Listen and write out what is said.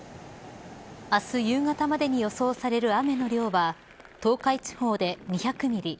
明日夕方までに予想される雨の量は東海地方で２００ミリ